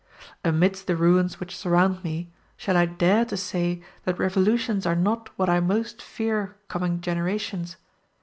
Amidst the ruins which surround me, shall I dare to say that revolutions are not what I most fear coming generations?